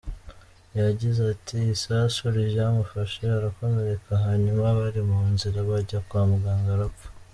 Yagize ati “Isasu ryamufashe arakomereka hanyuma bari mu nzira bajya kwa muganga arapfa.